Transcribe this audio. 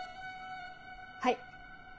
はい。